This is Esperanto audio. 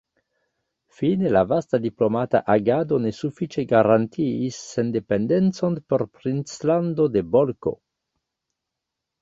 Fine la vasta diplomata agado ne sufiĉe garantiis sendependecon por princlando de Bolko.